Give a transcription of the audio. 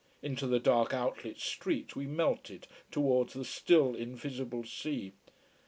Into the dark outlet street we melted, towards the still invisible sea.